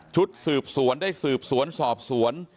ชุดสืบสวนได้สืบสวนสอบสวน